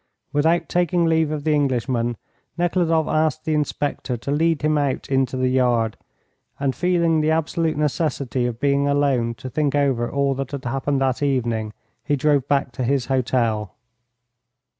Without taking leave of the Englishman, Nekhludoff asked the inspector to lead him out into the yard, and feeling the absolute necessity of being alone to think over all that had happened that evening, he drove back to his hotel.